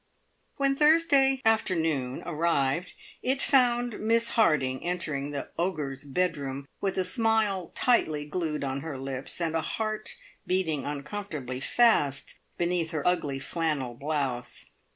When Thursday afternoon arrived, it found Miss Harding entering the ogre's bedroom with a smile tightly glued on her lips, and a heart beating uncomfortably fast beneath her ugly flannel blouse.